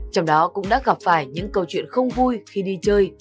trong đó cũng đã gặp phải những câu chuyện không vui khi đi chơi